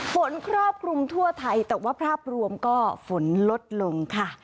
ครอบคลุมทั่วไทยแต่ว่าภาพรวมก็ฝนลดลงค่ะ